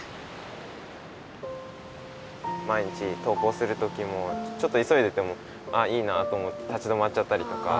毎日とう校するときもちょっといそいでても「あいいな」と思って立ち止まっちゃったりとか。